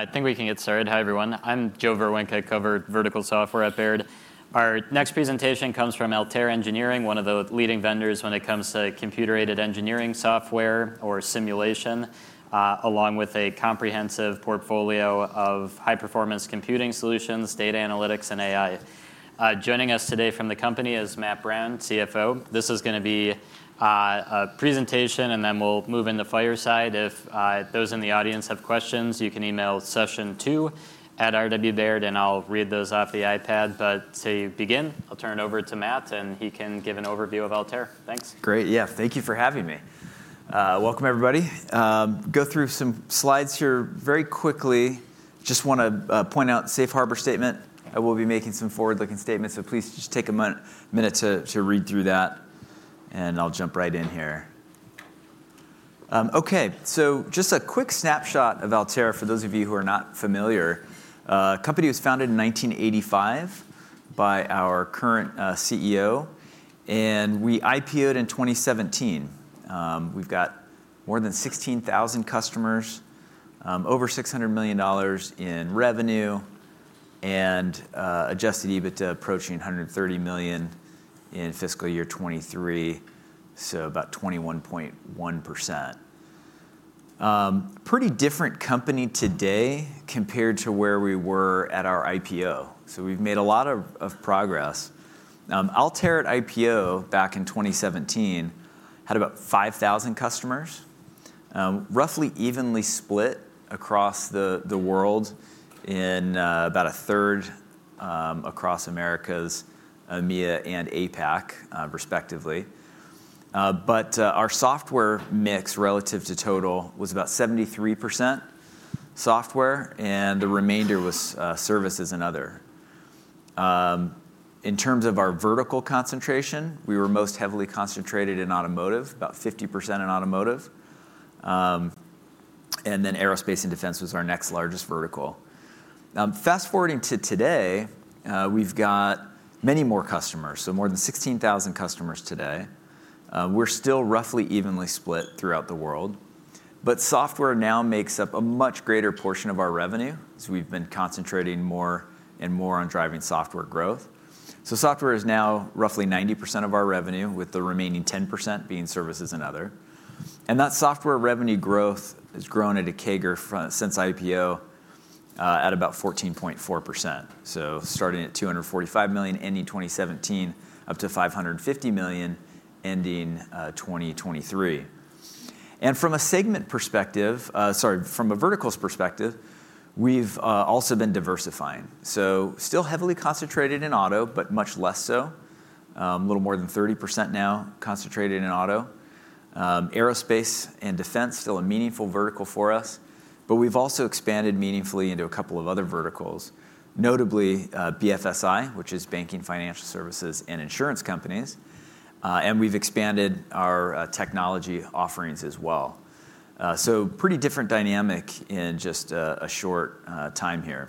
I think we can get started. Hi, everyone. I'm Joe Vruwink. I cover vertical software at Baird. Our next presentation comes from Altair Engineering, one of the leading vendors when it comes to computer-aided engineering software or simulation, along with a comprehensive portfolio of high-performance computing solutions, data analytics, and AI. Joining us today from the company is Matt Brown, CFO. This is gonna be a presentation, and then we'll move into fireside. If those in the audience have questions, you can email sessiontwo@rwbaird.com, and I'll read those off the iPad. But to begin, I'll turn it over to Matt, and he can give an overview of Altair. Thanks. Great. Yeah. Thank you for having me. Welcome, everybody. Go through some slides here very quickly. Just wanna point out the safe harbor statement. I will be making some forward-looking statements, so please just take a minute to read through that, and I'll jump right in here. Okay, so just a quick snapshot of Altair, for those of you who are not familiar. Company was founded in 1985 by our current CEO, and we IPO'd in 2017. We've got more than 16,000 customers, over $600 million in revenue, and adjusted EBITDA approaching $130 million in fiscal year 2023, so about 21.1%. Pretty different company today compared to where we were at our IPO, so we've made a lot of progress. Altair at IPO, back in 2017, had about 5,000 customers, roughly evenly split across the world in about a third across Americas, EMEA, and APAC, respectively. But our software mix relative to total was about 73% software, and the remainder was services and other. In terms of our vertical concentration, we were most heavily concentrated in automotive, about 50% in automotive. And then aerospace and defense was our next largest vertical. Fast-forwarding to today, we've got many more customers, so more than 16,000 customers today. We're still roughly evenly split throughout the world, but software now makes up a much greater portion of our revenue, so we've been concentrating more and more on driving software growth. So software is now roughly 90% of our revenue, with the remaining 10% being services and other. That software revenue growth has grown at a CAGR since IPO at about 14.4%. So starting at $245 million, ending 2017, up to $550 million, ending 2023. From a segment perspective, sorry, from a verticals perspective, we've also been diversifying. So still heavily concentrated in auto, but much less so. A little more than 30% now concentrated in auto. Aerospace and defense, still a meaningful vertical for us, but we've also expanded meaningfully into a couple of other verticals, notably, BFSI, which is banking, financial services, and insurance companies. And we've expanded our technology offerings as well. So pretty different dynamic in just a short time here.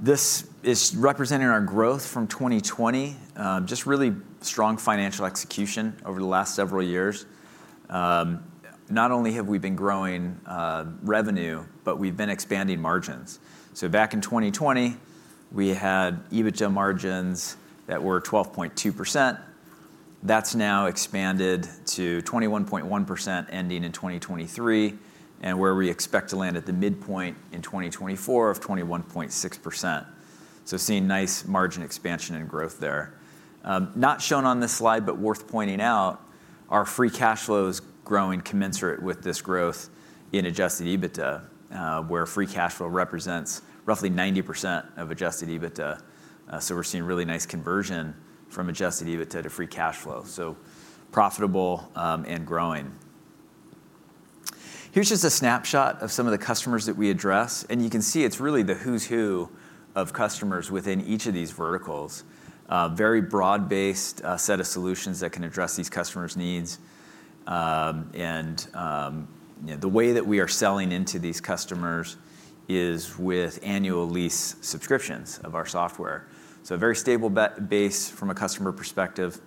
This is representing our growth from 2020, just really strong financial execution over the last several years. Not only have we been growing revenue, but we've been expanding margins. So back in 2020, we had EBITDA margins that were 12.2%. That's now expanded to 21.1%, ending in 2023, and where we expect to land at the midpoint in 2024 of 21.6%. So seeing nice margin expansion and growth there. Not shown on this slide, but worth pointing out, our free cash flow is growing commensurate with this growth in adjusted EBITDA, where free cash flow represents roughly 90% of adjusted EBITDA. So we're seeing really nice conversion from adjusted EBITDA to free cash flow. So profitable, and growing. Here's just a snapshot of some of the customers that we address, and you can see it's really the who's who of customers within each of these verticals. Very broad-based set of solutions that can address these customers' needs. And you know, the way that we are selling into these customers is with annual lease subscriptions of our software. So a very stable base from a customer perspective,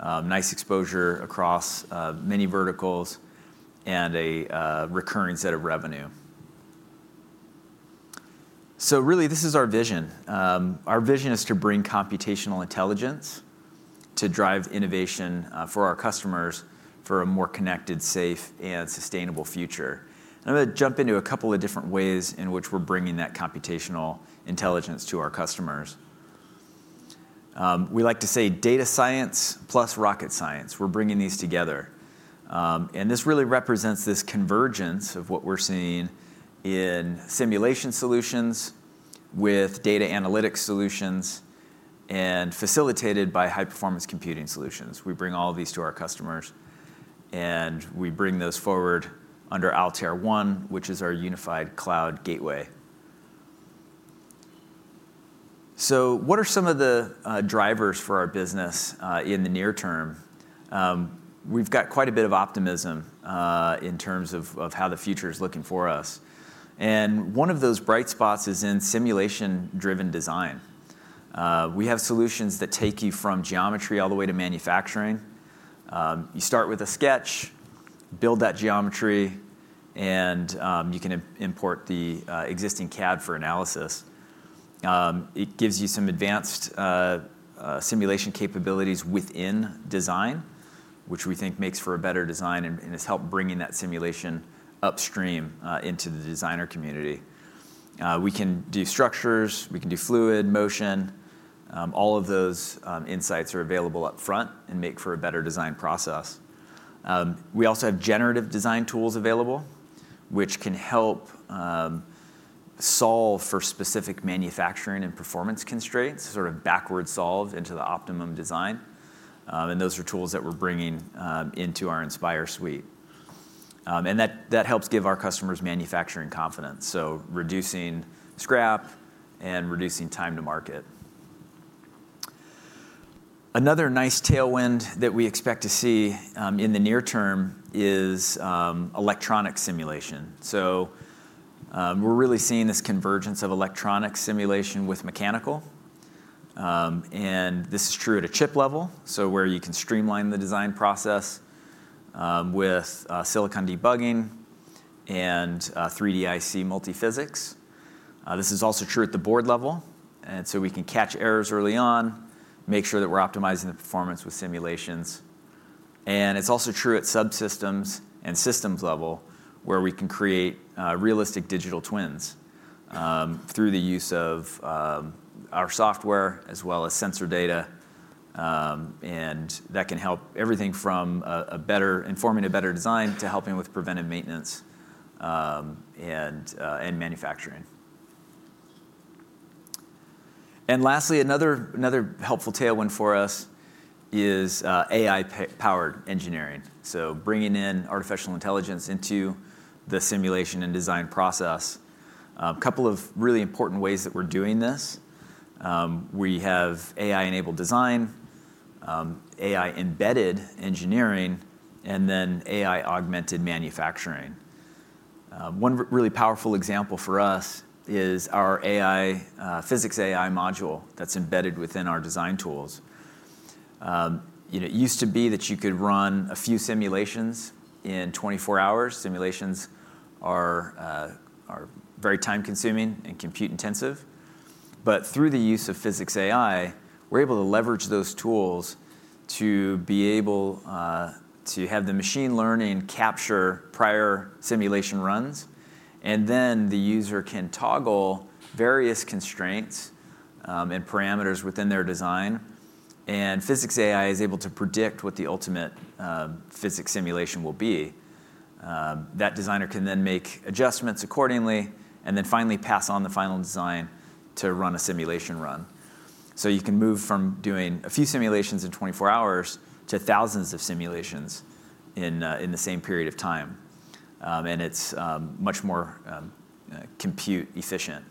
nice exposure across many verticals, and a recurring set of revenue. So really, this is our vision. Our vision is to bring computational intelligence to drive innovation for our customers, for a more connected, safe, and sustainable future. I'm gonna jump into a couple of different ways in which we're bringing that computational intelligence to our customers. We like to say data science plus rocket science. We're bringing these together. And this really represents this convergence of what we're seeing in simulation solutions with data analytics solutions, and facilitated by high-performance computing solutions. We bring all of these to our customers, and we bring those forward under Altair One, which is our unified cloud gateway. So what are some of the drivers for our business in the near term? We've got quite a bit of optimism in terms of how the future is looking for us. And one of those bright spots is in simulation-driven design.... We have solutions that take you from geometry all the way to manufacturing. You start with a sketch, build that geometry, and you can import the existing CAD for analysis. It gives you some advanced simulation capabilities within design, which we think makes for a better design, and has helped bringing that simulation upstream into the designer community. We can do structures, we can do fluid, motion, all of those insights are available up front and make for a better design process. We also have generative design tools available, which can help solve for specific manufacturing and performance constraints, sort of backward solve into the optimum design. And those are tools that we're bringing into our Inspire suite. And that helps give our customers manufacturing confidence, so reducing scrap and reducing time to market. Another nice tailwind that we expect to see in the near term is electronic simulation. So, we're really seeing this convergence of electronic simulation with mechanical. And this is true at a chip level, so where you can streamline the design process with silicon debugging and 3D IC multiphysics. This is also true at the board level, and so we can catch errors early on, make sure that we're optimizing the performance with simulations. And it's also true at subsystems and systems level, where we can create realistic digital twins through the use of our software as well as sensor data. And that can help everything from better informing a better design, to helping with preventive maintenance, and manufacturing. And lastly, another helpful tailwind for us is AI powered engineering. So bringing in artificial intelligence into the simulation and design process. A couple of really important ways that we're doing this, we have AI-enabled design, AI-embedded engineering, and then AI-augmented manufacturing. One really powerful example for us is our AI, PhysicsAI module that's embedded within our design tools. You know, it used to be that you could run a few simulations in 24 hours. Simulations are very time-consuming and compute-intensive. But through the use of PhysicsAI, we're able to leverage those tools to be able to have the machine learning capture prior simulation runs, and then the user can toggle various constraints, and parameters within their design, and PhysicsAI is able to predict what the ultimate physics simulation will be. That designer can then make adjustments accordingly, and then finally pass on the final design to run a simulation run. So you can move from doing a few simulations in 24 hours to thousands of simulations in the same period of time. And it's much more compute efficient.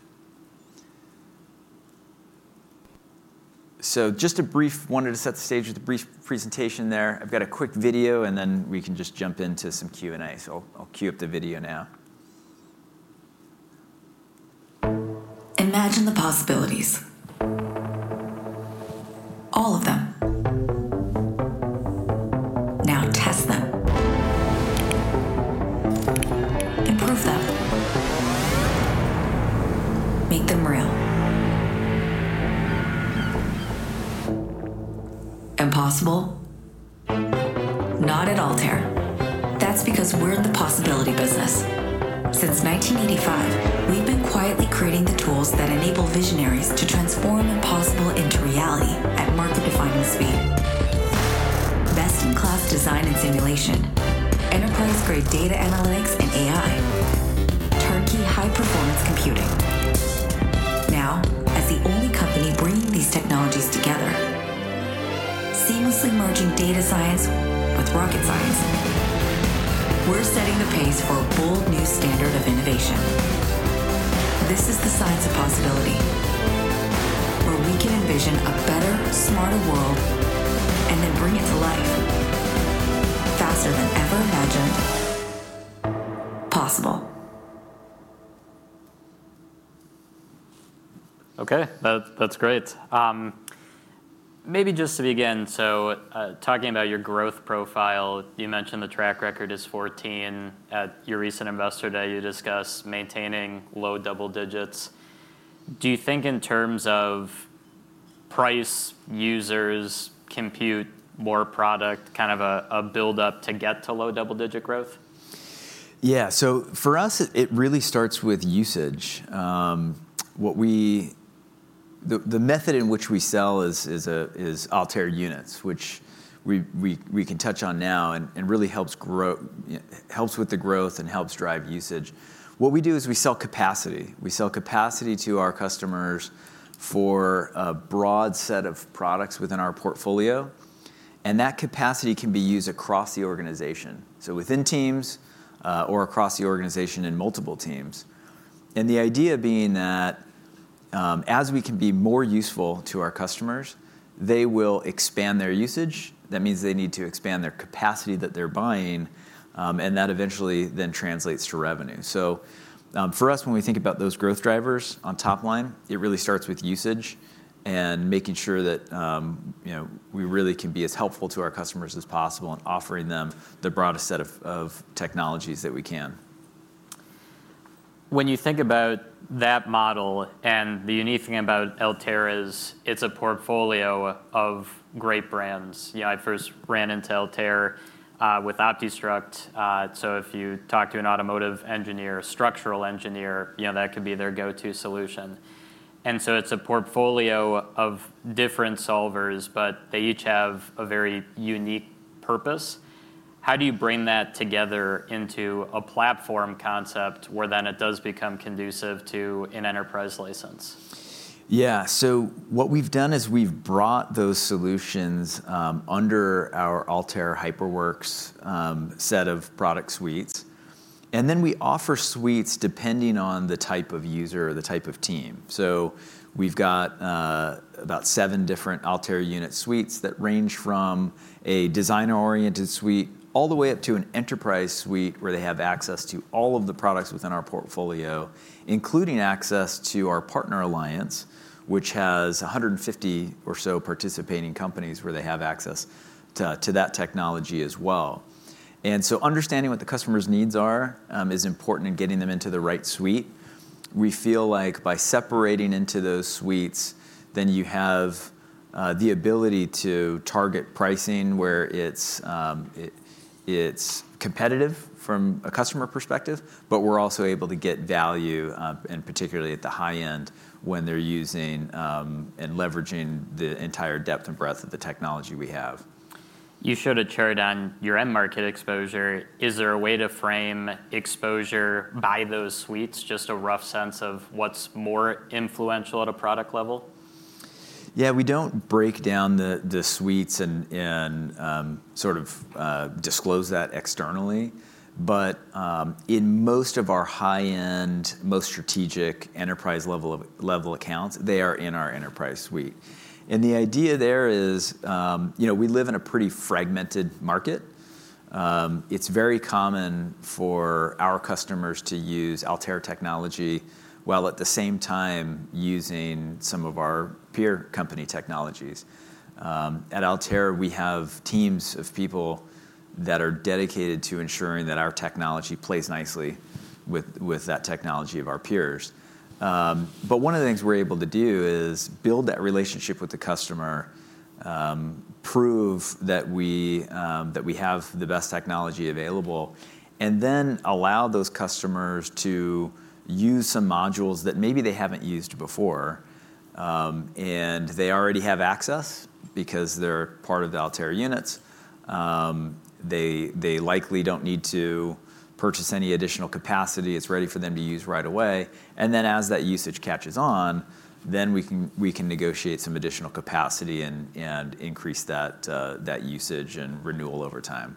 So just wanted to set the stage with a brief presentation there. I've got a quick video, and then we can just jump into some Q&A. So I'll queue up the video now. Imagine the possibilities, all of them. Now test them. Improve them. Make them real. Impossible? Not at Altair. That's because we're in the possibility business. Since 1985, we've been quietly creating the tools that enable visionaries to transform impossible into reality at market-defining speed. Best-in-class design and simulation, enterprise-grade data analytics and AI, turnkey high-performance computing. Now, as the only company bringing these technologies together, seamlessly merging data science with rocket science, we're setting the pace for a bold new standard of innovation. This is the science of possibility, where we can envision a better, smarter world and then bring it to life faster than ever imagined possible. Okay, that's great. Maybe just to begin, talking about your growth profile, you mentioned the track record is 14. At your recent Investor Day, you discussed maintaining low double digits. Do you think in terms of price, users, compute, more product, kind of a build-up to get to low double-digit growth? Yeah. So for us, it really starts with usage. The method in which we sell is Altair Units, which we can touch on now and really helps with the growth and helps drive usage. What we do is we sell capacity. We sell capacity to our customers for a broad set of products within our portfolio, and that capacity can be used across the organization, so within teams or across the organization in multiple teams. And the idea being that as we can be more useful to our customers, they will expand their usage. That means they need to expand their capacity that they're buying, and that eventually then translates to revenue. For us, when we think about those growth drivers on top line, it really starts with usage and making sure that, you know, we really can be as helpful to our customers as possible and offering them the broadest set of technologies that we can. When you think about that model, and the unique thing about Altair is it's a portfolio of great brands. You know, I first ran into Altair with OptiStruct. So if you talk to an automotive engineer, a structural engineer, you know, that could be their go-to solution. And so it's a portfolio of different solvers, but they each have a very unique purpose. How do you bring that together into a platform concept, where then it does become conducive to an enterprise license? Yeah. So what we've done is we've brought those solutions under our Altair HyperWorks set of product suites, and then we offer suites depending on the type of user or the type of team. So we've got about seven different Altair Units suites that range from a designer-oriented suite, all the way up to an enterprise suite, where they have access to all of the products within our portfolio, including access to our partner alliance, which has 150 or so participating companies, where they have access to that technology as well. And so understanding what the customer's needs are is important in getting them into the right suite. We feel like by separating into those suites, then you have the ability to target pricing, where it's competitive from a customer perspective, but we're also able to get value, and particularly at the high end, when they're using and leveraging the entire depth and breadth of the technology we have. You showed a chart on your end market exposure. Is there a way to frame exposure by those suites, just a rough sense of what's more influential at a product level? Yeah, we don't break down the suites and sort of disclose that externally. But in most of our high-end, most strategic enterprise-level accounts, they are in our enterprise suite. And the idea there is, you know, we live in a pretty fragmented market. It's very common for our customers to use Altair technology, while at the same time using some of our peer company technologies. At Altair, we have teams of people that are dedicated to ensuring that our technology plays nicely with that technology of our peers. But one of the things we're able to do is build that relationship with the customer, prove that we have the best technology available, and then allow those customers to use some modules that maybe they haven't used before. And they already have access, because they're part of the Altair Units. They likely don't need to purchase any additional capacity. It's ready for them to use right away. And then, as that usage catches on, then we can negotiate some additional capacity and increase that usage and renewal over time.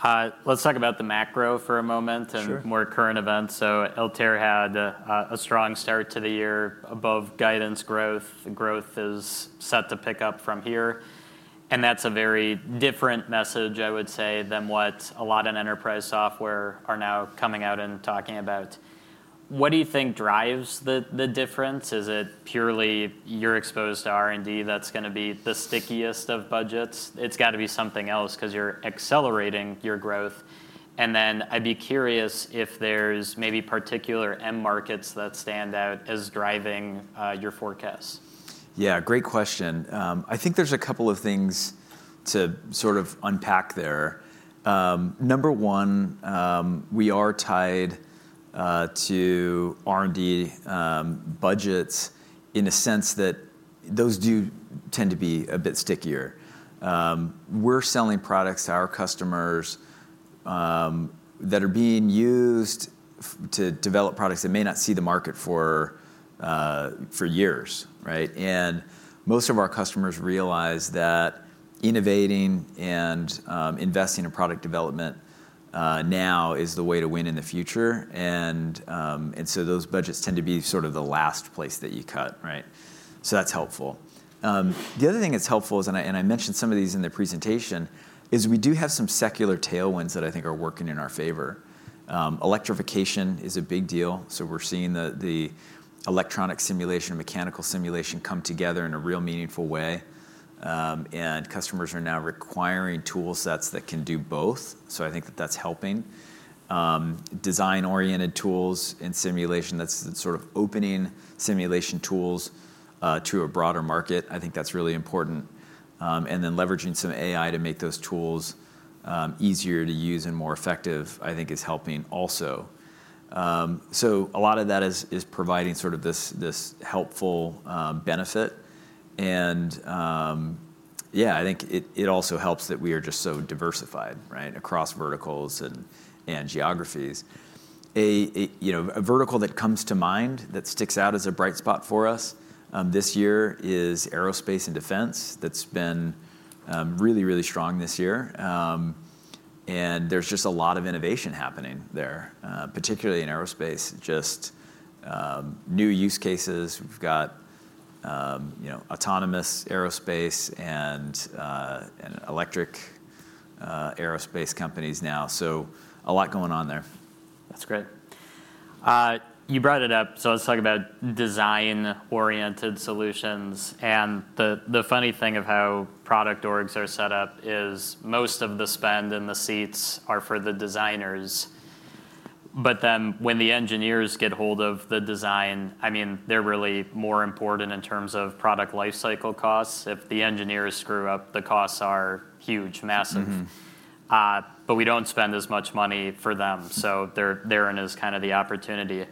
Great. Let's talk about the macro for a moment- Sure... and more current events. So Altair had a strong start to the year, above guidance growth. Growth is set to pick up from here, and that's a very different message, I would say, than what a lot in enterprise software are now coming out and talking about. What do you think drives the difference? Is it purely you're exposed to R&D that's gonna be the stickiest of budgets? It's got to be something else, 'cause you're accelerating your growth. And then, I'd be curious if there's maybe particular end markets that stand out as driving your forecasts. Yeah, great question. I think there's a couple of things to sort of unpack there. Number one, we are tied to R&D budgets in a sense that those do tend to be a bit stickier. We're selling products to our customers that are being used to develop products that may not see the market for years, right? And most of our customers realize that innovating and investing in product development now is the way to win in the future. And so those budgets tend to be sort of the last place that you cut, right? So that's helpful. The other thing that's helpful is, and I mentioned some of these in the presentation, is we do have some secular tailwinds that I think are working in our favor. Electrification is a big deal, so we're seeing the electronic simulation and mechanical simulation come together in a real meaningful way. And customers are now requiring tool sets that can do both, so I think that that's helping. Design-oriented tools and simulation, that's sort of opening simulation tools to a broader market, I think that's really important. And then leveraging some AI to make those tools easier to use and more effective, I think is helping also. So a lot of that is providing sort of this helpful benefit. And yeah, I think it also helps that we are just so diversified, right, across verticals and geographies. You know, a vertical that comes to mind, that sticks out as a bright spot for us this year is aerospace and defense. That's been really, really strong this year. There's just a lot of innovation happening there, particularly in aerospace, just new use cases. We've got you know, autonomous and electric aerospace companies now, so a lot going on there. That's great. You brought it up, so let's talk about design-oriented solutions, and the funny thing of how product orgs are set up is most of the spend and the seats are for the designers. But then when the engineers get hold of the design, I mean, they're really more important in terms of product life cycle costs. If the engineers screw up, the costs are huge, massive. Mm-hmm. But we don't spend as much money for them, so there, therein is kind of the opportunity.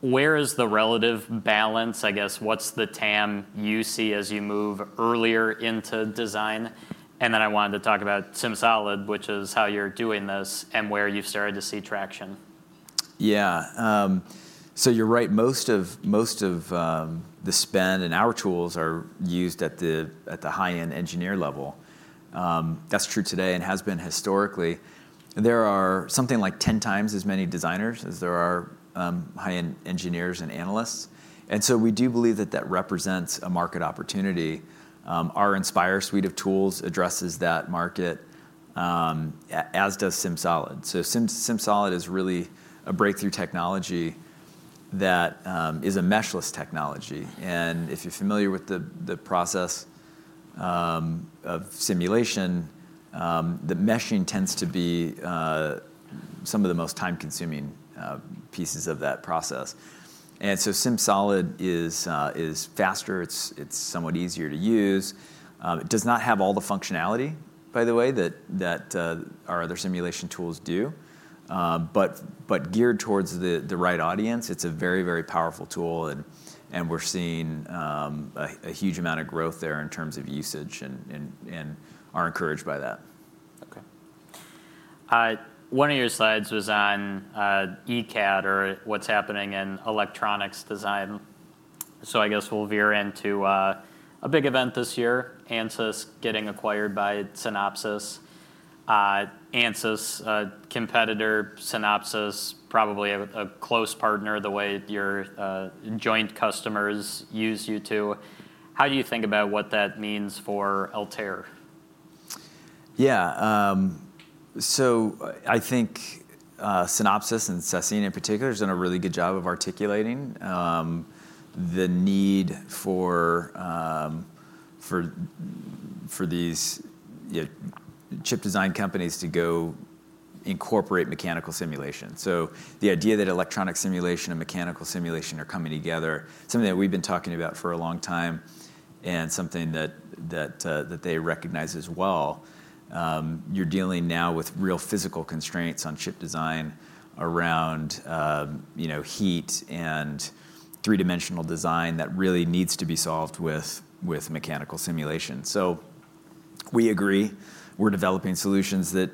Where is the relative balance? I guess, what's the TAM you see as you move earlier into design? And then I wanted to talk about SimSolid, which is how you're doing this, and where you've started to see traction. Yeah, so you're right. Most of the spend and our tools are used at the high-end engineer level. That's true today and has been historically. There are something like 10 times as many designers as there are high-end engineers and analysts, and so we do believe that that represents a market opportunity. Our Inspire suite of tools addresses that market, as does SimSolid. So SimSolid is really a breakthrough technology that is a meshless technology, and if you're familiar with the process of simulation, the meshing tends to be some of the most time-consuming pieces of that process. So SimSolid is faster, it's somewhat easier to use. It does not have all the functionality, by the way, that our other simulation tools do. But geared towards the right audience, it's a very, very powerful tool, and we're seeing a huge amount of growth there in terms of usage and are encouraged by that. Okay. One of your slides was on ECAD or what's happening in electronics design. So I guess we'll veer into a big event this year, Ansys getting acquired by Synopsys. Ansys, a competitor; Synopsys, probably a close partner, the way your joint customers use you two. How do you think about what that means for Altair? Yeah, so I think, Synopsys, and Sassine in particular, has done a really good job of articulating, the need for, for these chip design companies to go incorporate mechanical simulation. So the idea that electronic simulation and mechanical simulation are coming together, something that we've been talking about for a long time and something that they recognize as well. You're dealing now with real physical constraints on chip design around, you know, heat and three-dimensional design that really needs to be solved with mechanical simulation. So we agree. We're developing solutions that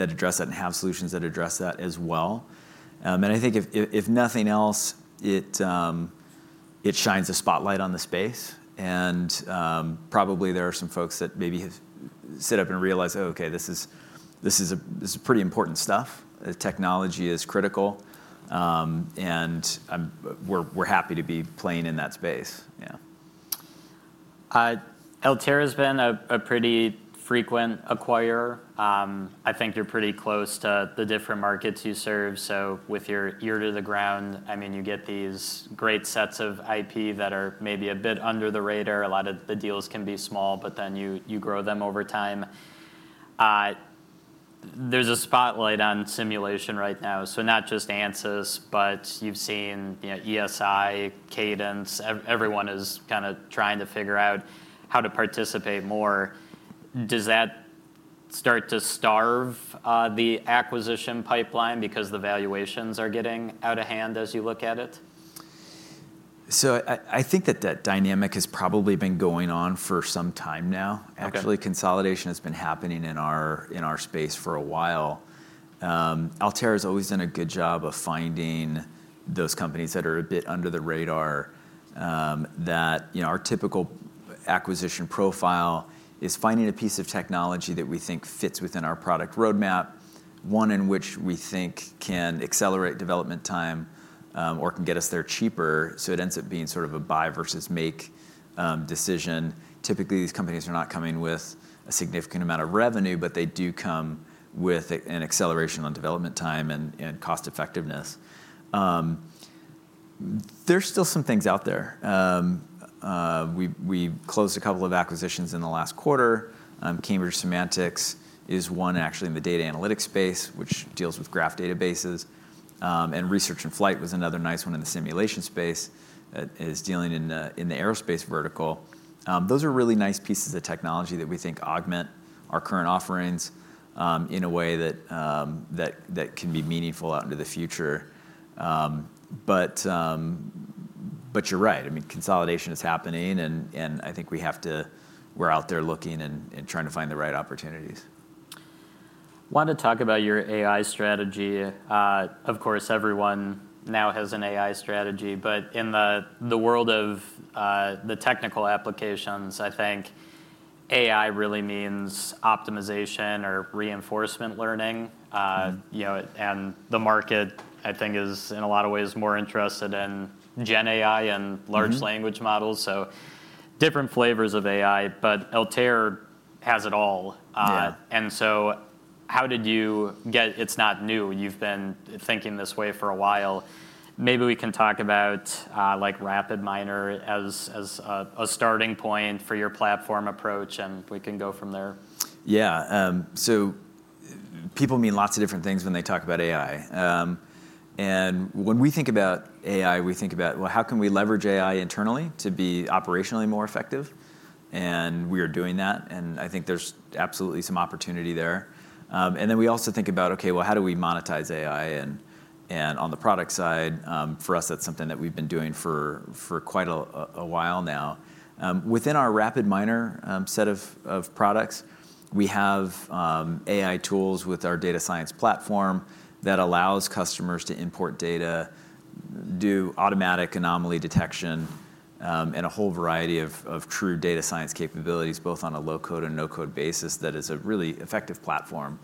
address that and have solutions that address that as well. And I think if nothing else, it shines a spotlight on the space, and probably there are some folks that maybe have sit up and realized, "Oh, okay, this is pretty important stuff." The technology is critical, and we're happy to be playing in that space. Yeah. Altair has been a pretty frequent acquirer. I think you're pretty close to the different markets you serve, so with your ear to the ground, I mean, you get these great sets of IP that are maybe a bit under the radar. A lot of the deals can be small, but then you grow them over time. There's a spotlight on simulation right now, so not just Ansys, but you've seen, you know, ESI, Cadence, everyone is kinda trying to figure out how to participate more. Does that start to starve the acquisition pipeline because the valuations are getting out of hand as you look at it? I think that that dynamic has probably been going on for some time now. Okay. Actually, consolidation has been happening in our space for a while. Altair has always done a good job of finding those companies that are a bit under the radar, that... You know, our typical acquisition profile is finding a piece of technology that we think fits within our product roadmap, one in which we think can accelerate development time, or can get us there cheaper, so it ends up being sort of a buy versus make, decision. Typically, these companies are not coming with a significant amount of revenue, but they do come with a, an acceleration on development time and, and cost effectiveness. There's still some things out there. We closed a couple of acquisitions in the last quarter. Cambridge Semantics is one actually in the data analytics space, which deals with graph databases. Research in Flight was another nice one in the simulation space, is dealing in the aerospace vertical. Those are really nice pieces of technology that we think augment our current offerings in a way that can be meaningful out into the future. But you're right. I mean, consolidation is happening, and I think we have to - we're out there looking and trying to find the right opportunities. Wanted to talk about your AI strategy. Of course, everyone now has an AI strategy, but in the world of the technical applications, I think AI really means optimization or reinforcement learning. You know, and the market, I think, is in a lot of ways more interested in gen AI and- Mm-hmm... large language models, so different flavors of AI, but Altair has it all. Yeah. And so how did you get—it's not new, you've been thinking this way for a while. Maybe we can talk about, like, RapidMiner as, as, a starting point for your platform approach, and we can go from there. Yeah, so people mean lots of different things when they talk about AI. And when we think about AI, we think about, well, how can we leverage AI internally to be operationally more effective? And we are doing that, and I think there's absolutely some opportunity there. And then we also think about, okay, well, how do we monetize AI? And on the product side, for us, that's something that we've been doing for quite a while now. Within our RapidMiner set of products, we have AI tools with our data science platform that allows customers to import data, do automatic anomaly detection, and a whole variety of true data science capabilities, both on a low-code and no-code basis that is a really effective platform,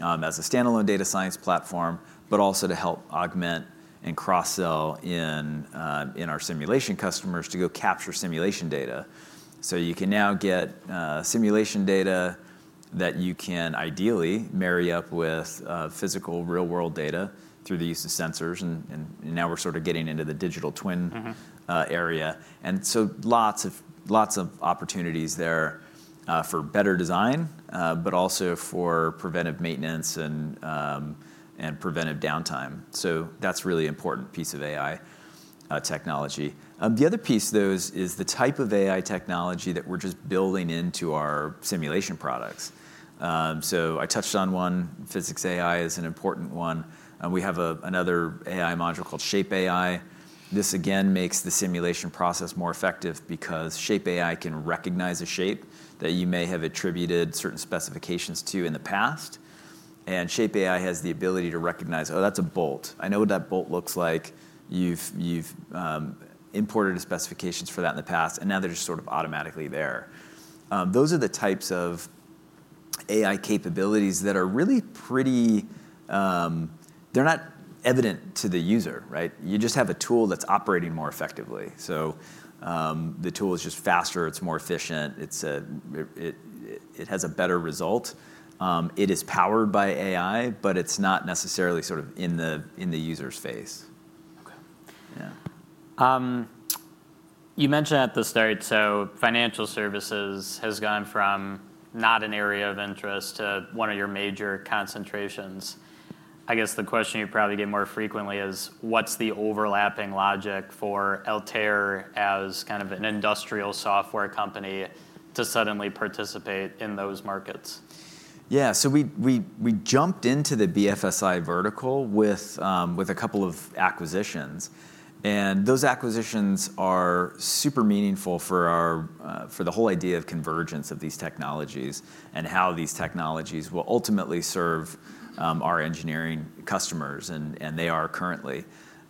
as a standalone data science platform, but also to help augment and cross-sell in our simulation customers to go capture simulation data. So you can now get simulation data that you can ideally marry up with physical real-world data through the use of sensors, and now we're sort of getting into the digital twin- Mm-hmm... area. And so lots of, lots of opportunities there, for better design, but also for preventive maintenance and, and preventive downtime. So that's a really important piece of AI, technology. The other piece, though, is, is the type of AI technology that we're just building into our simulation products. So I touched on one, PhysicsAI is an important one, and we have another AI module called ShapeAI. This again, makes the simulation process more effective because ShapeAI can recognize a shape that you may have attributed certain specifications to in the past, and ShapeAI has the ability to recognize, "Oh, that's a bolt. I know what that bolt looks like." You've imported the specifications for that in the past, and now they're just sort of automatically there. Those are the types of AI capabilities that are really pretty. They're not evident to the user, right? You just have a tool that's operating more effectively. So, the tool is just faster, it's more efficient, it has a better result. It is powered by AI, but it's not necessarily sort of in the user's face. Okay. Yeah. You mentioned at the start, so financial services has gone from not an area of interest to one of your major concentrations. I guess the question you probably get more frequently is: What's the overlapping logic for Altair as kind of an industrial software company to suddenly participate in those markets? Yeah, so we jumped into the BFSI vertical with with a couple of acquisitions, and those acquisitions are super meaningful for our for the whole idea of convergence of these technologies, and how these technologies will ultimately serve our engineering customers, and they are currently.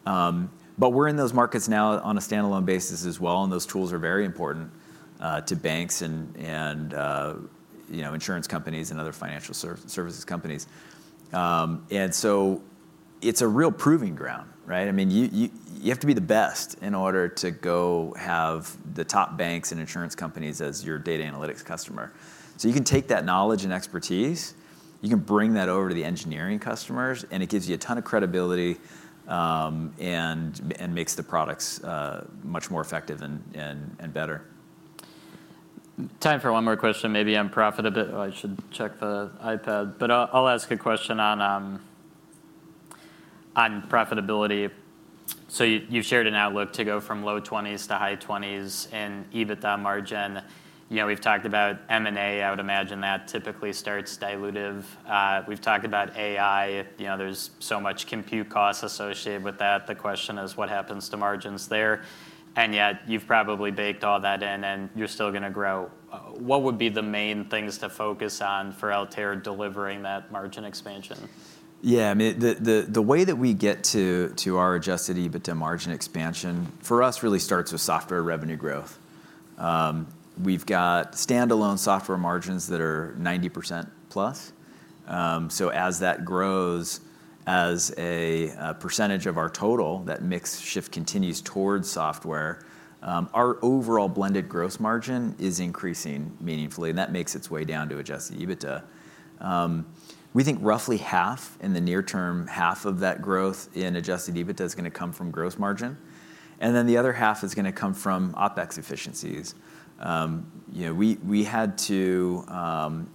But we're in those markets now on a standalone basis as well, and those tools are very important to banks and you know, insurance companies and other financial services companies. And so it's a real proving ground, right? I mean, you have to be the best in order to go have the top banks and insurance companies as your data analytics customer. So you can take that knowledge and expertise, you can bring that over to the engineering customers, and it gives you a ton of credibility, and makes the products much more effective and better. Time for one more question. Maybe on profitability. Oh, I should check the iPad. But I'll ask a question on profitability. So you've shared an outlook to go from low 20s-high 20s in EBITDA margin. You know, we've talked about M&A. I would imagine that typically starts dilutive. We've talked about AI. You know, there's so much compute costs associated with that. The question is, what happens to margins there? And yet you've probably baked all that in, and you're still gonna grow. What would be the main things to focus on for Altair delivering that margin expansion? Yeah, I mean, the way that we get to our adjusted EBITDA margin expansion, for us, really starts with software revenue growth. We've got standalone software margins that are 90% plus. So as that grows as a percentage of our total, that mix shift continues towards software, our overall blended gross margin is increasing meaningfully, and that makes its way down to adjusted EBITDA. We think roughly half, in the near term, half of that growth in adjusted EBITDA is gonna come from gross margin, and then the other half is gonna come from OpEx efficiencies. You know, we had to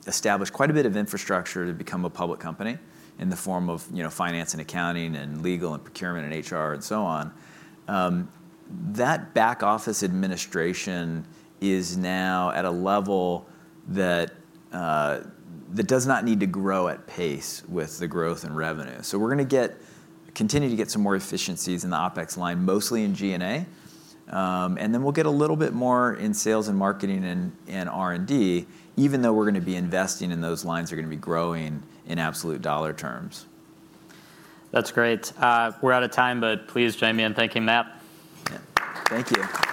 establish quite a bit of infrastructure to become a public company in the form of, you know, finance and accounting, and legal, and procurement, and HR, and so on. That back office administration is now at a level that that does not need to grow at pace with the growth in revenue. So we're gonna continue to get some more efficiencies in the OpEx line, mostly in G&A, and then we'll get a little bit more in sales and marketing and, and R&D, even though we're gonna be investing, and those lines are gonna be growing in absolute dollar terms. That's great. We're out of time, but please join me in thanking Matt. Yeah. Thank you.